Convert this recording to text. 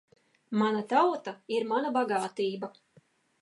Mana tauta ir mana bagātība.